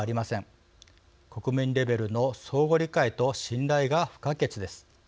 国民レベルの相互理解と信頼が不可欠です。